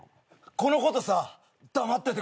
このことさ黙っててくんない？